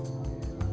sudah dapat